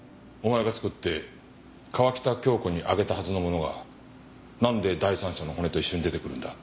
お前が作って川喜多京子にあげたはずのものがなんで第三者の骨と一緒に出てくるんだ？